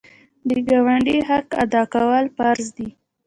د ګاونډي حق ادا کول فرض دي.